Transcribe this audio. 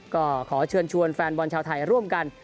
ก็ขอเชิญชวนแฟนบอลชาวไทยร่วมกัน